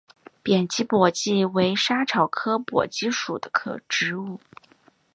扁基荸荠为莎草科荸荠属的植物。